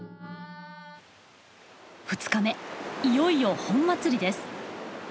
２日目いよいよ本祭りです。